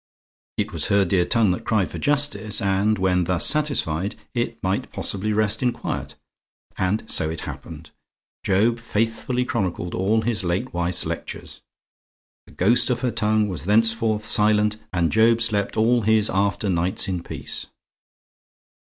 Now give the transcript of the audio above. It was her dear tongue that cried for justice, and when thus satisfied, it might possibly rest in quiet. And so it happened. Job faithfully chronicled all his late wife's lectures; the ghost of her tongue was thenceforth silent, and Job slept all his after nights in peace.